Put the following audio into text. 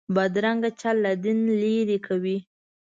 بدرنګه چل له دین لرې کوي